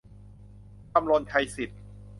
คำรณ ชัยสิทธิ์